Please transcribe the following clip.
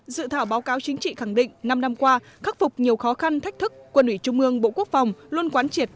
dự thảo báo cáo chính trị khẳng định năm năm qua khắc phục nhiều khó khăn thách thức quân ủy trung ương bộ quốc phòng luôn quán triệt